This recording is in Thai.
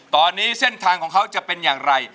ตอนนี้เส้นทางของเขาจะเป็นอย่างไร